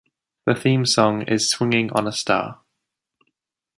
The theme song is "Swinging on a Star".